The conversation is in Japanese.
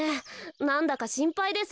なんだかしんぱいです。